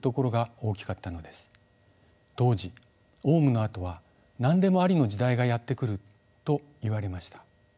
当時オウムのあとは何でもありの時代がやって来るといわれました。